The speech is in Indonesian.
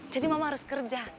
jadi mama harus kerja